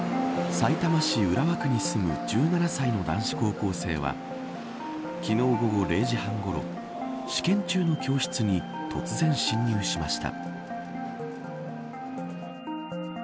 さいたま市浦和区に住む１７歳の男子高校生は昨日午後０時半ごろ試験中の教室に突然侵入しました。